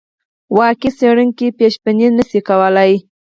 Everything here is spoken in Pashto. واقعي څېړونکی پیشبیني نه شي کولای.